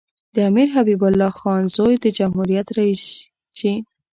د امیر حبیب الله خان زوی د جمهوریت رییس شي.